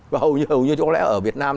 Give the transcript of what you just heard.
và hầu như chúng ta lẽ ở việt nam